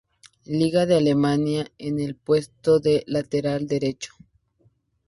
Liga de Alemania, en el puesto de lateral derecho.